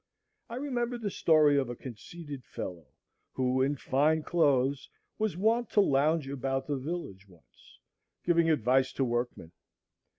I remembered the story of a conceited fellow, who, in fine clothes, was wont to lounge about the village once, giving advice to workmen.